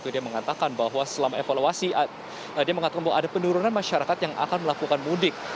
dia mengatakan bahwa selama evaluasi dia mengatakan bahwa ada penurunan masyarakat yang akan melakukan mudik